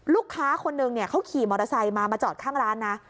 ลูกค้าคนนึงเขาขี่มอเตอร์ไซค์มามาจอดข้างร้านนะ